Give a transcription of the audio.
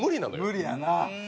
無理やな。